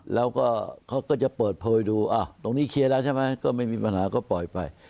แล้วก็เขาก็จะเปิดเผยดูตรงนี้เคลียร์แล้วใช่ไหมก็ไม่มีปัญหาก็ปล่อยไป